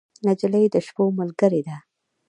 نجلۍ د شپو ملګرې ده.